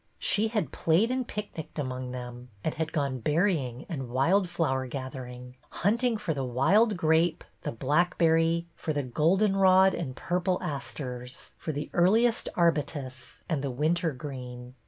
She had played and picnicked among them, and had gone berrying and wild flower gather ing, hunting for the wild grape, the blackberry, for the golden rod and purple asters, for the ear liest arbutus, and the wintergreen.